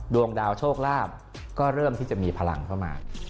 ดวงดาวโชคลาภก็เริ่มที่จะมีพลังเข้ามา